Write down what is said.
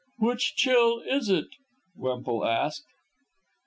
"Which Chill is it?" Wemple asked.